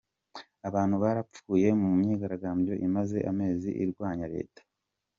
Abantu barapfuye mu myigaragambyo imaze amezi irwanya leta.